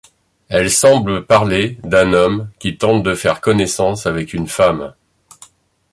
Elles semblent parler d'un homme qui tente de faire connaissance avec une femme.